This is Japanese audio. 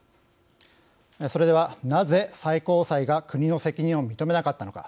それではなぜ最高裁が国の責任を認めなかったのか。